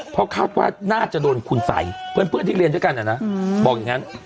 เพราะคาดว่าน่าจะโดนคุณสัยเพื่อนที่เรียนด้วยกันนะบอกอย่างนั้น